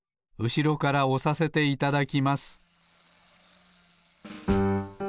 うしろからおさせていただきます